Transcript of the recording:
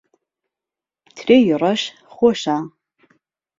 ترێی ڕەش خۆشە.